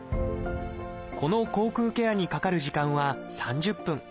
この口腔ケアにかかる時間は３０分。